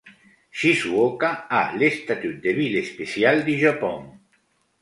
Shizuoka a le statut de ville spéciale du Japon.